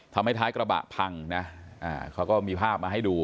ท้ายกระบะพังนะเขาก็มีภาพมาให้ดู